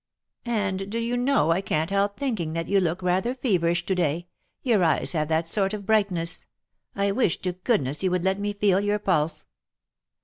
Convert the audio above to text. And do you know I can't help thinking that you do look rather feverish to day — your eyes have that sort of brightness. I wish to goodness you would let me feel your pulse."